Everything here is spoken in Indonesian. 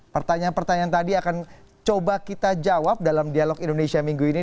pertanyaan pertanyaan tadi akan coba kita jawab dalam dialog indonesia minggu ini